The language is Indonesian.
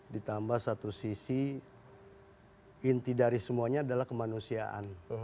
ditambah satu sisi inti dari semuanya adalah kemanusiaan